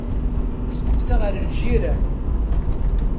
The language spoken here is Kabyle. Testeqsa ɣer ljiran.